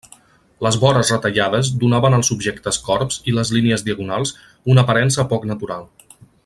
Les vores retallades donaven als objectes corbs i les línies diagonals una aparença poc natural.